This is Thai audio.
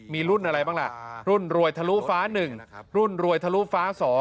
มีรุ่นอะไรบ้างล่ะรุ่นรวยทะลุฟ้า๑รุ่นรวยทะลุฟ้า๒